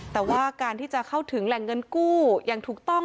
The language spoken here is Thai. แต่ว่าการที่จะเข้าถึงแหล่งเงินกู้อย่างถูกต้อง